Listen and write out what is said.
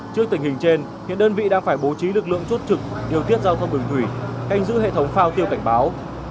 trước tình hình trên hiện đơn vị đang phải bố trí lực lượng chốt trực điều tiết giao thông đường thủy canh giữ hệ thống phao tiêu cảnh báo